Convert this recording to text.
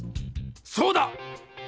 そうだ！